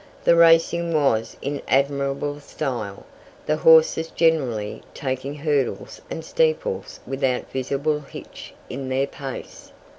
The racing was in admirable style, the horses generally taking hurdles and steeples without visible hitch in their pace.